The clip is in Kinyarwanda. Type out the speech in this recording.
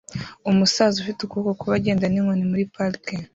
Umusaza ufite ukuboko kubi agenda n'inkoni muri parike